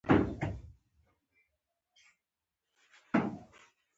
اسناد او پیسې را وبهر کړې، کوټ مې و ځړاوه.